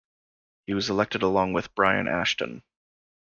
He was elected along with Brian Ashton.